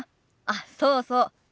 あっそうそう。